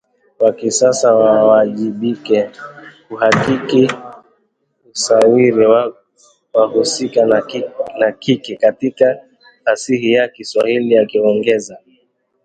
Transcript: wa kisasa wawajibike kuhakiki usawiri wa wahusika wa kike katika fasihi ya Kiswahili akiongeza